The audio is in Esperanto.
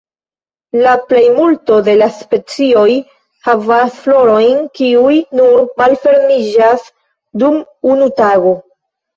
La plejmulto de la specioj havas florojn kiuj nur malfermiĝas dum unu tago.